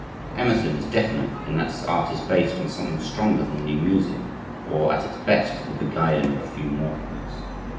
Emerson is definite in that his art is based on something stronger than the amusing or at its best the beguiling of a few mortals.